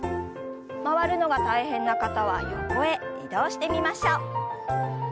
回るのが大変な方は横へ移動してみましょう。